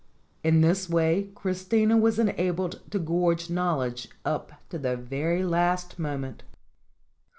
In this way Christina was enabled to gorge knowledge up to the very last moment.